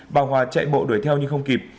bà hòa chạy bộ đuổi theo nhưng không kịp